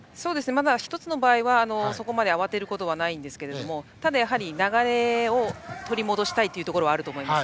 まだ１つの場合はそこまで慌てることはないですがただ、やはり流れを取り戻したいところはあると思います。